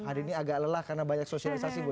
hari ini agak lelah karena banyak sosialisasi bu